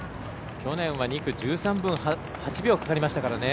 去年は２区、１３分８秒かかりましたからね。